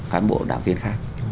cán bộ đảng viên khác